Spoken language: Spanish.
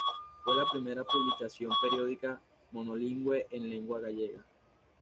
Fue la primera publicación periódica monolingüe en lengua gallega.